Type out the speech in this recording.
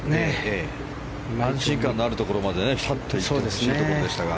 安心感のあるところまで行ってほしいところでしたが。